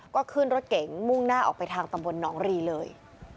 ก็ขึ้นรถเก๋งมุ่งหน้าออกไปทางตำบลหนองรีเลย